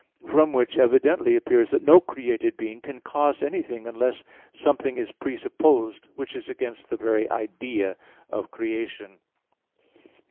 From which evidently appears that no created being can cause anything, unless something is presupposed; which is against the very idea of creation.